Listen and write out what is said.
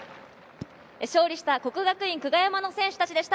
勝利した國學院久我山の選手達でした。